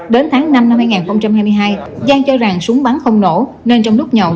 đến tháng năm năm hai nghìn hai mươi hai giang cho rằng súng bắn không nổ nên trong lúc nhậu